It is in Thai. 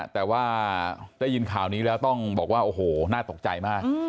แต่ว่าได้ยินข่าวนี้แล้วต้องบอกว่าโอ้โหน่าตกใจมาก